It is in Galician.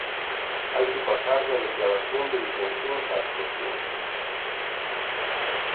Hai que pasar da declaración de intencións á actuación.